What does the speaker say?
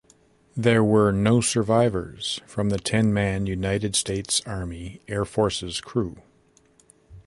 There were no survivors from the ten-man United States Army Air Forces crew.